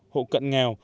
hộ cận nghèo